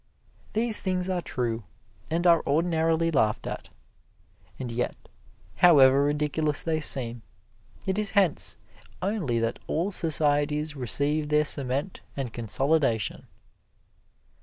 These things are true, and are ordinarily laughed at, and yet, however ridiculous they seem, it is hence only that all societies receive their cement and consolidation.